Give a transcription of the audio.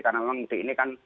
karena mudik ini kan